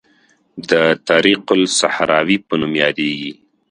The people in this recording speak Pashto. د طریق الصحراوي په نوم یادیږي.